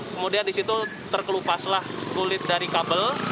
kemudian disitu terkelupaslah kulit dari kabel